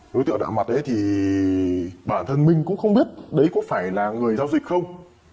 đối tượng đã mặt thì bản thân mình cũng không biết đấy có phải là người giao dịch không